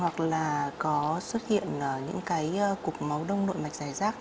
hoặc là có xuất hiện những cái cục máu đông nội mạch dài rác